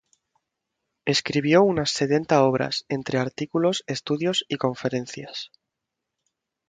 Escribió unas setenta obras, entre artículos, estudios y conferencias.